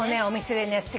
お店でね